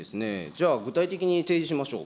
じゃあ、具体的に提示しましょう。